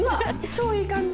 超いい感じ。